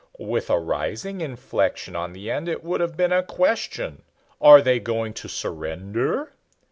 With a rising inflection on the end it would have been a question. "Are they going to surrender?"